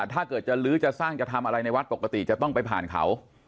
ถ้าเกิดจะลื้อจะสร้างจะทำอะไรในวัดปกติจะต้องไปผ่านเขา